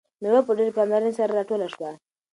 میوه په ډیرې پاملرنې سره راټوله شوه.